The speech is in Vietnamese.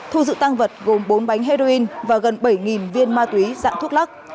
thu giữ tăng vật gồm bốn bánh heroin và gần bảy viên ma túy dạng thuốc lắc